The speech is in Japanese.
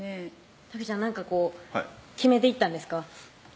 たけちゃんなんかこう決めていったんですか？